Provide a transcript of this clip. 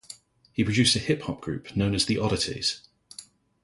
He produces a hip hop group known as The Oddities.